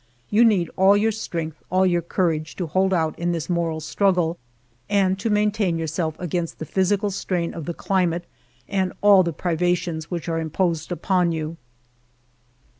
You need all your strength, all your courage, to hold out in this 134 FIVE YEARS OF MY LIFE moral struggle, and to maintain yourself against the physical strain of the climate and all the privations which are imposed upon you."